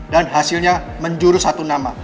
dan hasilnya menjurus satu nama